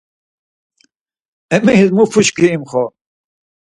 Emeris mu fuşki imxor?